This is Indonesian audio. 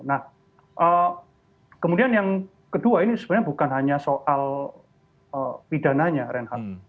nah kemudian yang kedua ini sebenarnya bukan hanya soal pidananya reinhardt